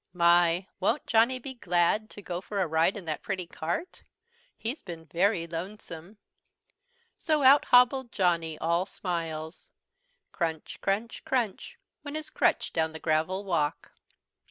"My! Won't Johnny be glad to go for a ride in that pretty cart! He's been very lonesome." So out hobbled Johnny, all smiles. Crunch, crunch, crunch went his crutch down the gravel walk.